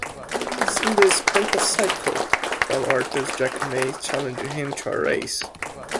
Seeing this "Pentacycle," fellow artist Jack Mays challenged him to a race.